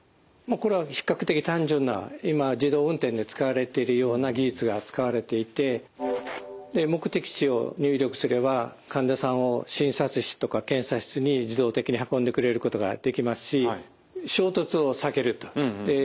これは比較的単純な今自動運転で使われてるような技術が使われていて目的地を入力すれば患者さんを診察室とか検査室に自動的に運んでくれることができますし衝突を避けると。